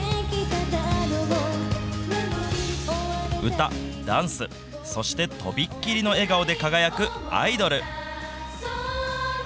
歌、ダンス、そしてとびっきりの笑顔で輝くアイドル。